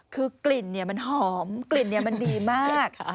คือกลิ่นมันหอมกลิ่นมันดีมาก